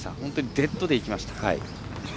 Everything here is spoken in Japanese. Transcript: デッドでいきました。